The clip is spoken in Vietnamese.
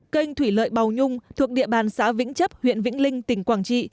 kênh thủy lợi bào nhung thuộc địa bàn xã vĩnh chấp huyện vĩnh linh tỉnh quảng trị